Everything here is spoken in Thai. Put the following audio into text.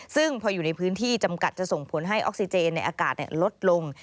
ซึ่งพออยู่ในพื้นที่จำกัดจะส่งผลให้ออกซิเจนในอากาศลดลง